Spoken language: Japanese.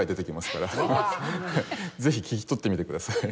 ぜひ聴き取ってみてください。